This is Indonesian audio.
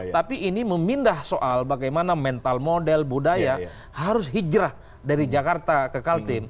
tapi ini memindah soal bagaimana mental model budaya harus hijrah dari jakarta ke kaltim